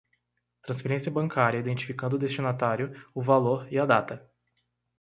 Transferência bancária identificando o destinatário, o valor e a data.